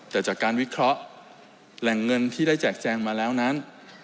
แต่จากการวิเคราะห์แหล่งเงินที่ได้แจกแจงมาแล้วนั้น